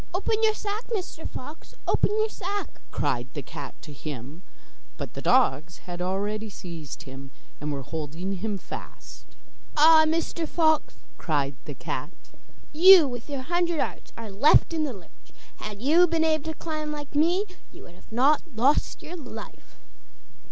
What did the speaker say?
'Open your sack, Mr Fox, open your sack,' cried the cat to him, but the dogs had already seized him, and were holding him fast. 'Ah, Mr Fox,' cried the cat. 'You with your hundred arts are left in the lurch! Had you been able to climb like me, you would not have lost your life.